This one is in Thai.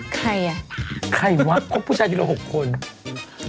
ใครอ่ะป๊าใครวะครบผู้ชายทีละ๖คน